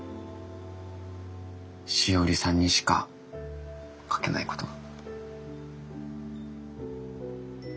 しおりさんにしか描けないことが。